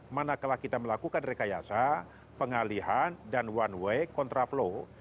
manakala kita melakukan rekayasa pengalihan dan one way contraflow